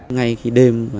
ngay khi đêm